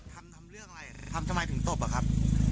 ทำเรื่องอะไรครับทำทำไมถึงตบหรือครับ